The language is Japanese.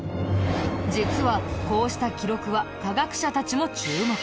実はこうした記録は科学者たちも注目。